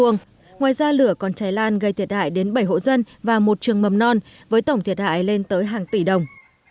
ngoài ra lửa còn cháy lan gây thiệt hại đến bảy hộ dân và một trường mầm non với tổng thiệt hại lên tới hàng tỷ đồng